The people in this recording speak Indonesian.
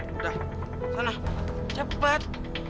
udah sana cepet